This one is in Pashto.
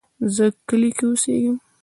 زه کلی کې اوسیږم